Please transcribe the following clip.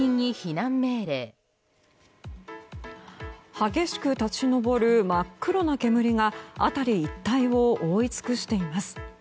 激しく立ち上る真っ黒な煙が辺り一帯を覆い尽くしています。